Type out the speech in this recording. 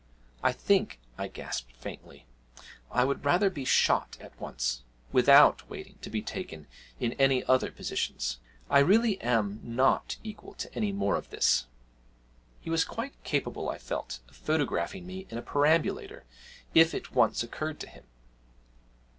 'I think,' I gasped faintly, 'I would rather be shot at once without waiting to be taken in any other positions. I really am not equal to any more of this!' (He was quite capable, I felt, of photographing me in a perambulator, if it once occurred to him!)